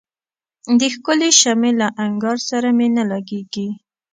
د ښکلي شمعي له انګار سره مي نه لګیږي